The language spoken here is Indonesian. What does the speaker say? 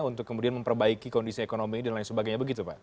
untuk kemudian memperbaiki kondisi ekonomi dan lain sebagainya begitu pak